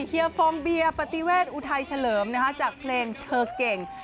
เฮียฟองเบียร์ปฏิเวทอุทัยเฉลิมจากเพลงเธอเก่ง